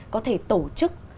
có thể tổ chức